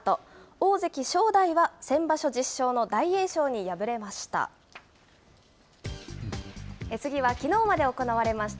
大関・正代は先場所１０勝の大栄翔に敗れました。